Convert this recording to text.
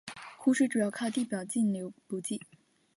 湖水主要靠地表径流补给。